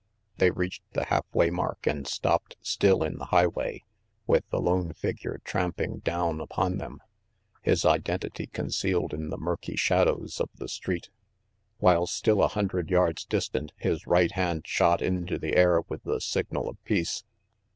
They reached the half way mark and stopped still in the highway, with the lone figure tramping down upon them, his identity concealed in the murky shadows of the street. While still a hundred yards distant, his right hand shot into the air with the signal of peace.